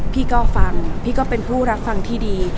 พี่ก็ฟังพี่ก็เป็นผู้รับฟังที่ดี